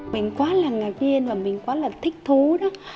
mình quá là ngạc viên và mình quá là thích thú đó